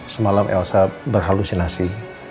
semalam elsa berhalusinasi